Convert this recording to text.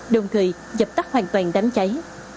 đồng thời dập tắt hoàn toàn đám cháy